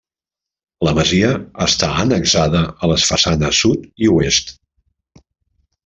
La masia està annexada a les façanes sud i oest.